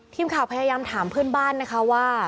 ทีมข่าวพยายามถามเพื่อนบ้านนะคะว่า